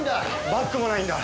バッグもないんだ。